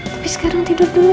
tapi sekarang tidur dulu